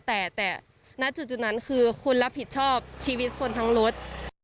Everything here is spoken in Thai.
แต่ณจุดนั้นคือคุณรับผิดชอบชีวิตคนทั้งรถ